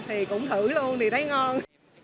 thì cũng thử luôn thì thấy ngon